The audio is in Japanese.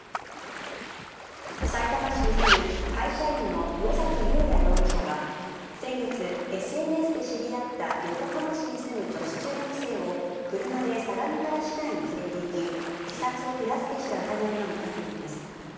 さいたま市に住む会社員の野崎祐也容疑者は、先月、ＳＮＳで知り合った横浜市に住む女子中学生を車で相模原市内に連れていき、自殺を手助けした疑いが持たれています。